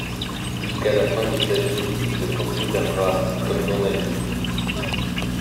Jusqu'à la fin de sa vie il se considérera comme journaliste.